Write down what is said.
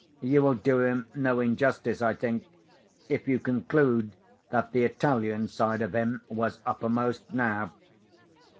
You will do him no injustice, I think, if you conclude that the Italian side of him was uppermost now.